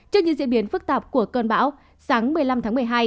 trước những diễn biến phức tạp của cơn bão sáng một mươi năm tháng một mươi hai